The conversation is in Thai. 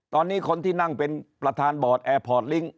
ตอนนี้คนที่นั่งเป็นประธานบอร์ดแอร์พอร์ตลิงค์